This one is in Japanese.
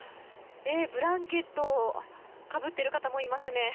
ブランケットをかぶっている方もいますね。